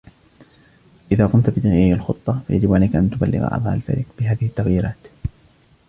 إذا قمت بتغيير الخطة، فيجب عليك أن تبلغ أعضاء الفريق بهذه التغييرات.